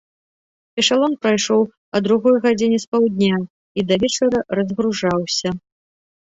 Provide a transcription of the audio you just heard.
Эшалон прыйшоў а другой гадзіне спаўдня і да вечара разгружаўся.